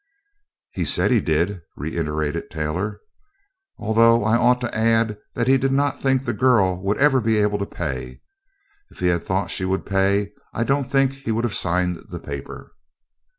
"He said he did," reiterated Taylor. "Although I ought to add that he did not think the girl would ever be able to pay. If he had thought she would pay, I don't think he would have signed the paper."